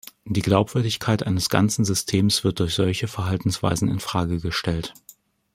Die Glaubwürdigkeit eines ganzen Systems wird durch solche Verhaltensweisen in Frage gestellt.